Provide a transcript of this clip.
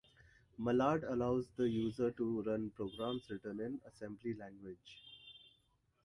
Mallard allows the user to run programs written in assembly language.